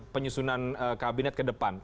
penyusunan kabinet ke depan